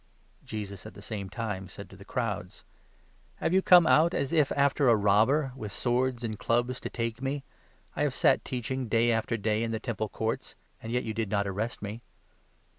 " Jesus at the same time said to the crowds : 55 " Have you come out, as if after a robber, with swords and clubs, to take me ? I have sat teaching day after day in the Temple Courts, and yet you did not arrest me.